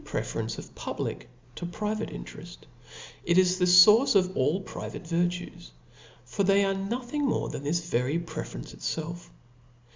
preference of public to private intereft, it is Boo ic the foufce of all private virtues ; for they are no ciip.\, thing more than this very preference itfelf.